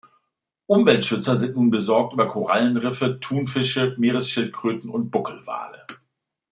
Umweltschützer sind nun besorgt über Korallenriffe, Thunfische, Meeresschildkröten und Buckelwale.